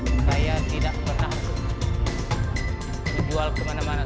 dari mulai dua ribu sebelas saya tidak pernah dijual kemana mana